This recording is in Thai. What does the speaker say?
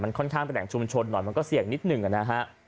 มันค่อนข้างแสดงชุมชนหน่อยมันก็เสี่ยงนิดหนึ่งอ่ะนะฮะ